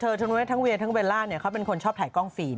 ทั้งนี้ทั้งเวียทั้งเบลล่าเนี่ยเขาเป็นคนชอบถ่ายกล้องฟิล์ม